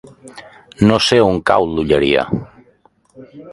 No sé on cau l'Olleria.